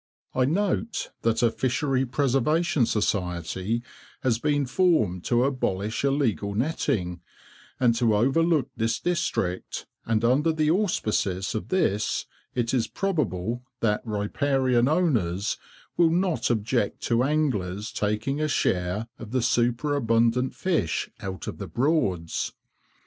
I note that a Fishery Preservation Society has been formed to abolish illegal netting, and to overlook this district, and under the auspices of this it is probable that riparian owners will not object to anglers taking a share of the superabundant fish out of the Broads.